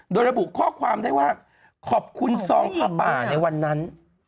โดยระบุข้อความได้ว่าขอบคุณซองผ้าป่าในวันนั้น